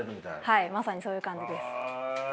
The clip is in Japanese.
はいまさにそういう感じです。